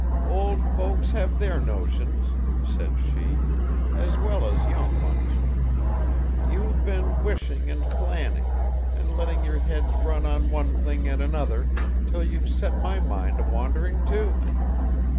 'Old folks have their notions,' said she, 'as well as young ones. You've been wishing and planning; and letting your heads run on one thing and another, till you've set my mind a wandering too.